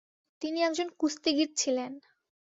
তিনি একজন কুস্তিগীর ছিলেন।